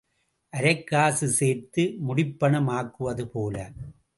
அரைக் காசு சேர்த்து முடிப்பணம் ஆக்குவது போல.